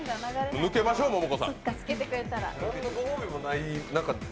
抜けましょう、モモコさん。